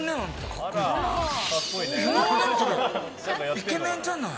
イケメンじゃない。